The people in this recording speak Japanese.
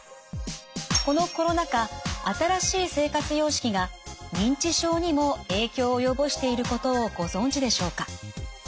このコロナ禍新しい生活様式が認知症にも影響を及ぼしていることをご存じでしょうか？